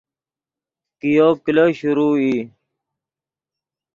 کئیو کلو شروع ای